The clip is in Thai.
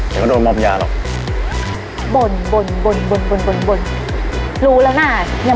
ไม่ต้องกลับมาที่นี่